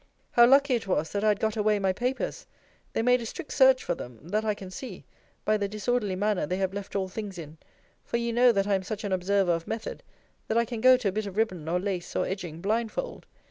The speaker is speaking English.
How lucky it was, that I had got away my papers! They made a strict search for them; that I can see, by the disorderly manner they have left all things in: for you know that I am such an observer of method, that I can go to a bit of ribband, or lace, or edging, blindfold.